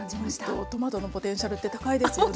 ほんとトマトのポテンシャルって高いですよね。